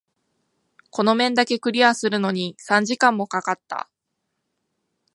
この面だけクリアするのに三時間も掛かった。